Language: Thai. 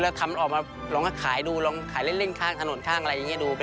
เริ่มทำออกมาลองให้ขายดู